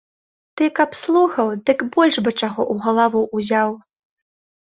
Ты каб слухаў, дык больш бы чаго ў галаву ўзяў.